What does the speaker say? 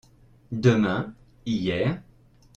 Demain/Hier.